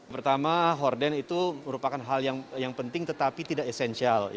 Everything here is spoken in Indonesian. pertama horden itu merupakan hal yang penting tetapi tidak esensial